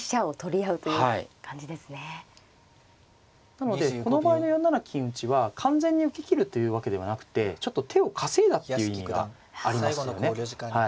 なのでこの場合の４七金打は完全に受けきるというわけではなくてちょっと手を稼いだっていう意味がありますよね。